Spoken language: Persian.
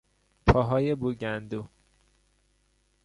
پاهای بو گندو